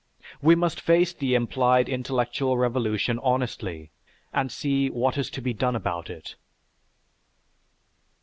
We must face the implied intellectual revolution honestly and see what is to be done about it.